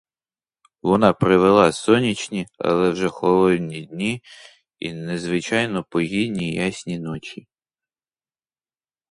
Вона привела сонячні, але вже холодні дні й незвичайно погідні ясні ночі.